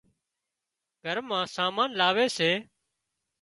گھر مان سامان لاوي سي